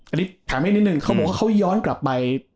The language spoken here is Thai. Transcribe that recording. อันนี้ถามให้นิดนึงเขาบอกว่าเขาย้อนกลับไป